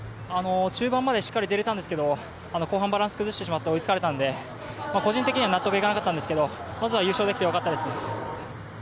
中盤までしっかり出れててたんですけど後半、バランス崩して追いつかれたんで、個人的には納得いかなかったんで、まずは優勝できてよかったです。